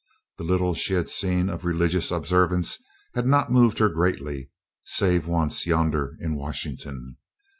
The little she had seen of religious observance had not moved her greatly, save once yonder in Washington.